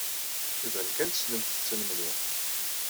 Iban kan tessnemt-ten mliḥ.